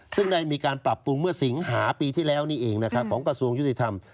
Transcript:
ซึ่งได้มีการปรับปรุงเมื่อสิงหาปีที่แล้วนี่เองนะครับของกระทรวงยุติธรรม